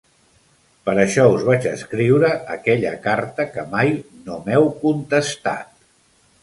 Per això us vaig escriure aquella carta que mai no m'heu contestat.